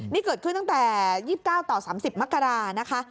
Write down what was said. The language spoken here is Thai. นี่เกิดขึ้นตั้งแต่๒๙ต่อ๓๐มกรานะคะ